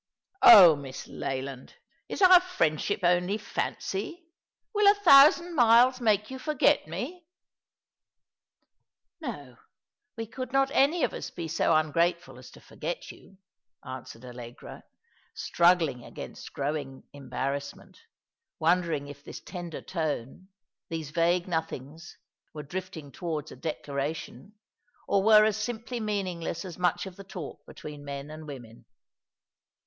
"Oh, Miss Leland, is our friendship only fancy? Will a thousand miles make you forget me ?"" No, we could not any of us be so ungrateful as to forget you," answered Allegra, struggling against growing em barrassment, wondering if this tender tone, these vague nothings, were drifting towards a declaration, or were as simply meaningless as much of the talk between men and women.